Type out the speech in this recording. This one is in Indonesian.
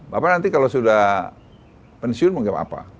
bapak nanti kalau sudah pensiun mau ke apa